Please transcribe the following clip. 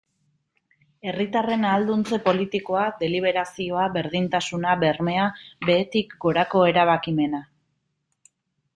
Herritarren ahalduntze politikoa, deliberazioa, berdintasuna, bermea, behetik gorako erabakimena...